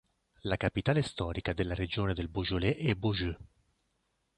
La capitale storica della regione del Beaujolais è Beaujeu.